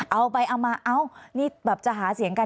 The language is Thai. เอาไปเอามาเอ้านี่แบบจะหาเสียงกัน